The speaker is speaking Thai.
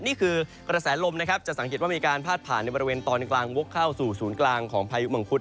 นี่คือกระแสลมนะครับจะสังเกตว่ามีการพาดผ่านในบริเวณตอนกลางวกเข้าสู่ศูนย์กลางของพายุมังคุด